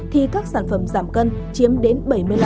thì các sản phẩm giảm cân chiếm đến bảy mươi